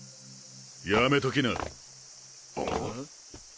やめときな。